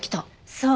そう。